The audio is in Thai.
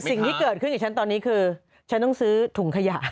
สิ่งที่เกิดขึ้นกับฉันตอนนี้คือฉันต้องซื้อถุงขยะ